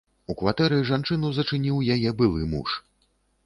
У кватэры жанчыну зачыніў яе былы муж.